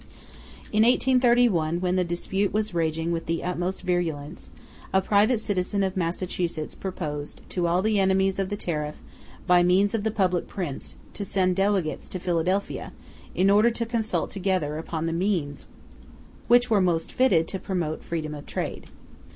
In 1831, when the dispute was raging with the utmost virulence, a private citizen of Massachusetts proposed to all the enemies of the tariff, by means of the public prints, to send delegates to Philadelphia in order to consult together upon the means which were most fitted to promote freedom of trade.